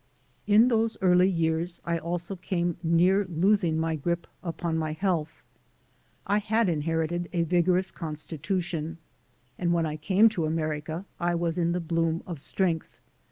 In those early years I also came near losing my grip upon my health. I had inherited a vigorous constitution and when I came to America I was in the bloom of strength.